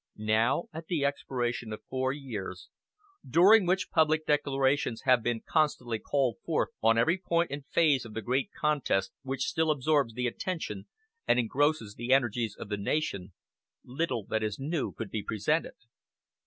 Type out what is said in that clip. Now, at the expiration of four years, during which public declarations have been constantly called forth on every point and phase of the great contest which still absorbs the attention and engrosses the energies of the nation, little that is new could be presented.